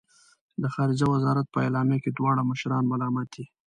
د خارجه وزارت په اعلامیه کې دواړه مشران ملامت دي.